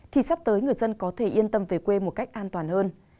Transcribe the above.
thì sắp tới người dân có thể yên tâm về quê một cách an toàn hơn